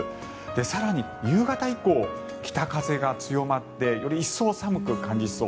更に、夕方以降北風が強まってより一層寒く感じそう。